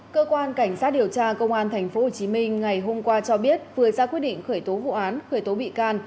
cơ quan cảnh sát điều tra công an tp hcm ngày hôm qua cho biết vừa ra quyết định khởi tố vụ án khởi tố bị can